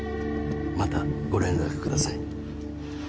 またご連絡ください。